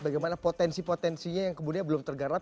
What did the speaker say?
bagaimana potensi potensinya yang kemudian belum tergarap